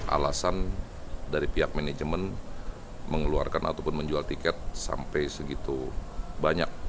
alasan dari pihak manajemen mengeluarkan ataupun menjual tiket sampai segitu banyak